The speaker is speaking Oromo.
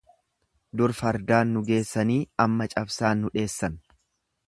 Dur fardaan nu geessanii amma cabsaan nu dheessan.